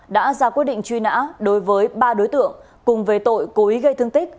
đã ra quyết định truy nã đối với ba đối tượng cùng về tội cố ý gây thương tích